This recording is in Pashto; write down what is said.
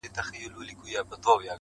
سړې شپې يې تېرولې په خپل غار كي-